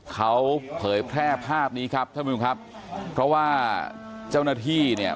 เขาเผยแพร่ภาพนี้ครับเพราะว่าเจ้าหน้าที่เนี่ย